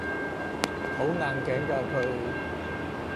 好硬頸㗎佢